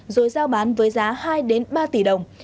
rồi giao bán với giá hai ba tỷ đồng